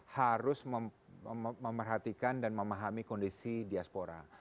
harus memerhatikan dan memahami kondisi diaspora